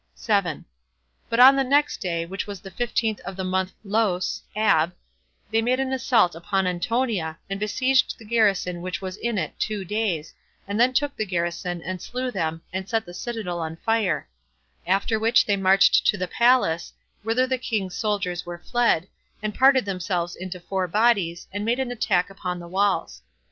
7. But on the next day, which was the fifteenth of the month Lous, [Ab,] they made an assault upon Antonia, and besieged the garrison which was in it two days, and then took the garrison, and slew them, and set the citadel on fire; after which they marched to the palace, whither the king's soldiers were fled, and parted themselves into four bodies, and made an attack upon the walls.